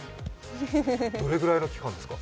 どれぐらいの期間ですか？